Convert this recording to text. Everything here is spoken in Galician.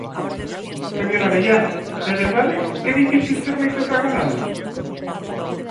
Señor Abellá, de verdade que é difícil ser máis desagradable.